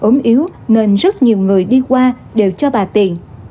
ốm yếu nên rất nhiều người đi qua đều cho bà tiền